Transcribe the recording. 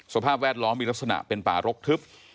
สภาพแวดล้อมมีลักษณะเป็นป่ารกทึบ